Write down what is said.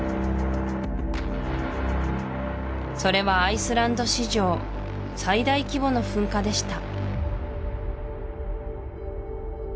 それはアイスランド史上最大規模の噴火でした